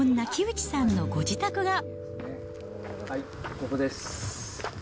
ここです。